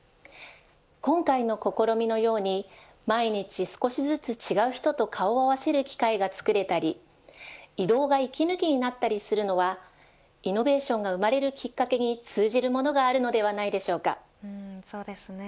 今回の試みのように毎日、少しずつ違う人と顔を合わせる機会がつくれたり移動が息抜きになったりするのはイノベーションが生まれるきっかけに通じるものがそうですね。